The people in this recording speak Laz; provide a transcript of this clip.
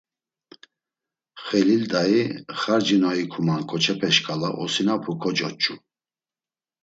Xelil Dai, xarci na ikuman ǩoçepe şǩala osinapu kocoç̌u.